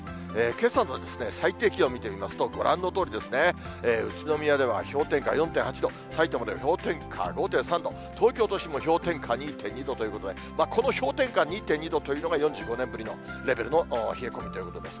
けさの最低気温見てみますと、ご覧のとおりですね、宇都宮では氷点下４．８度、さいたまでは氷点下５．３度、東京都心も氷点下２．２度ということで、この氷点下２．２度というのが、４５年ぶりのレベルの冷え込みということです。